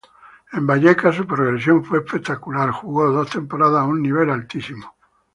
En Vallecas, su progresión fue espectacular, jugó dos temporadas a un nivel altísimo.